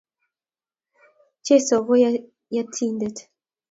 Jesu ko Yetindet!